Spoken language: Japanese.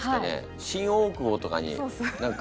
新大久保とかに何か。